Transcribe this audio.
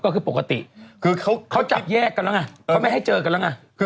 คือเขาจับแยกกันแล้วไงเขาไม่ให้เจอกันแล้วไง